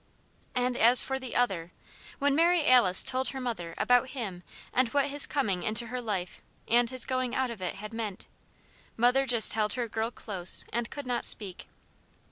And as for the Other! When Mary Alice told her mother about him and what his coming into her life and his going out of it had meant, Mother just held her girl close and could not speak.